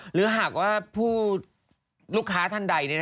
หรือหากว่าลูกค้าท่านใด